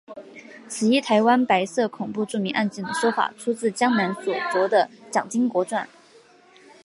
此一台湾白色恐怖著名案件的说法出自江南所着的蒋经国传。